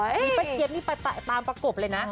มีแปดเกี๊ยบมีแปดตามประกบเลยนะ